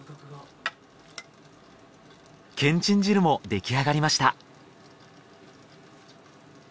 けんちん汁もできあがりました